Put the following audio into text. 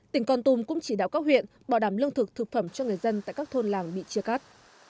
tỉnh con tum cũng chỉ đạo các huyện bảo đảm lương thực thực phẩm cho người dân tại các thôn làng bị chia cắt